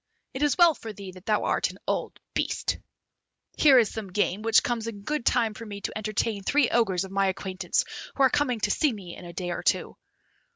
It is well for thee that thou art an old beast! Here is some game, which comes in good time for me to entertain three Ogres of my acquaintance who are coming to see me in a day or two."